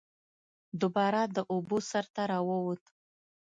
دوباره د اوبو سر ته راووت